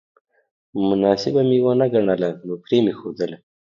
مناسبه مې ونه ګڼله نو پرې مې ښودله